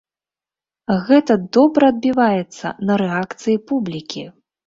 Гэта добра адбіваецца на рэакцыі публікі!